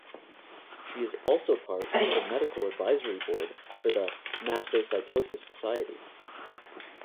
She is also part of the medical advisory board for The Mastocytosis Society.